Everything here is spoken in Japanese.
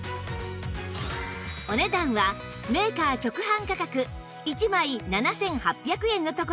お値段はメーカー直販価格１枚７８００円のところ